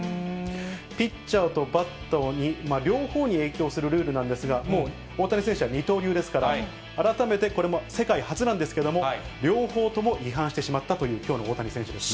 ピッチャーとバッターに、両方に影響するルールなんですが、もう大谷選手は二刀流ですから、改めてこれも世界初なんですけれども、両方とも違反してしまったという、きょうの大谷選手ですね。